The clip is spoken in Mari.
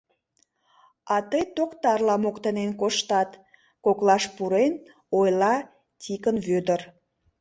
А тый токтарла моктанен коштат, — коклаш пурен ойла Тикын Вӧдыр.